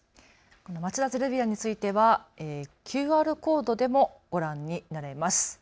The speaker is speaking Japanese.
町田ゼルビアについてはＱＲコードでもご覧になれます。